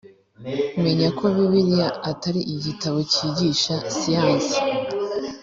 menya ko bibiliya atari igitabo cyigisha siyansi